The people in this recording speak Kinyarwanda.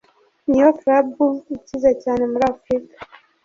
niyo club ikize cyane muri Africa